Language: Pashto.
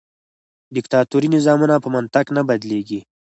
دیکتاتوري نظامونه په منطق نه بدلیږي.